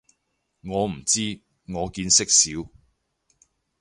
我唔知，我見識少